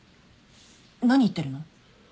何言ってるの？